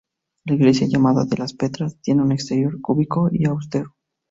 La iglesia, llamada de las Petras, tiene un exterior cúbico y austero.